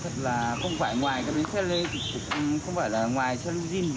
thật là không phải ngoài cái bến xe limousine không phải là ngoài xe limousine